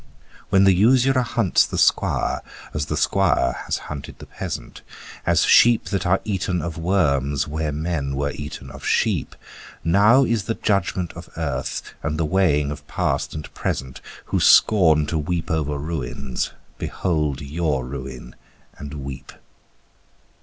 When the usurer hunts the squire as the squire has hunted the peasant, As sheep that are eaten of worms where men were eaten of sheep: Now is the judgment of earth, and the weighing of past and present, Who scorn to weep over ruins, behold your ruin and weep.